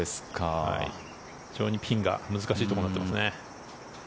非常にピンが難しいところになっていますね。